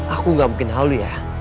aku gak mungkin halu ya